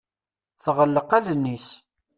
Tɣelleq allen-is.